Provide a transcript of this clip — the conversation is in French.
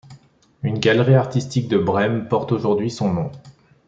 Une galerie artistique de Brême porte aujourd'hui son nom.